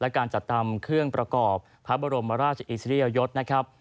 และการจัดทำเครื่องประกอบพระบรมราชอิสริยยศนะครับ